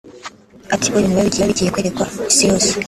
Ati” Urumva ni ibintu biba bigiye kwerekwa isiyose